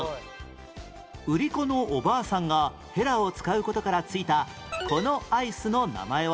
売り子のおばあさんがヘラを使う事から付いたこのアイスの名前は？